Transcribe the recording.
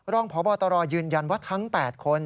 รองพบตรยืนยันว่าทั้ง๘คน